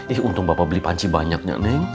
ih untung bapak beli panci banyaknya neng